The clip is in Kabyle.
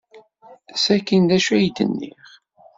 Sakkin d acu ay d-nniɣ?